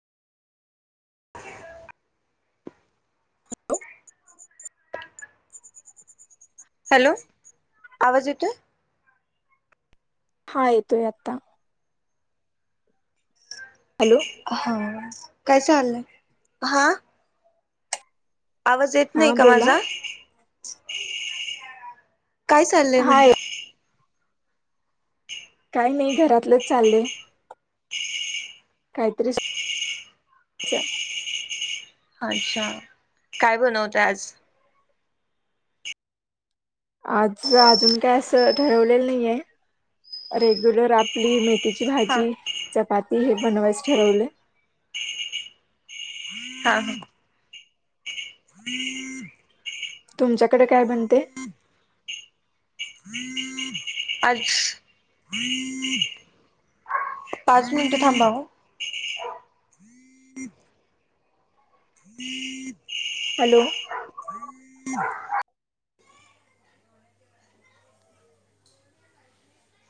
[inaudible] Hello आवाज येतोय. हा येतोय आता. हॅलो हा काय चाललंय. हा, आवाज येत हा नाही का बोला माझा. काय चाललंय हाय म्हटलं. काय नाही घरातलंच चाललंय. काहीतरी [inaudible] अच्छा काय बनवते आज आज अजून काय असं ठरवलेलं नाहीये रेग्युलर आपली मे थीची त्याची हा भाजी, चपाती हे बनवायच ठरवले. ह [inaudible] तुमच्याकडे काय बनते. [unintelligible] आज [unintelligible] पाच मिनिट थांबवो हॅलो [inaudible]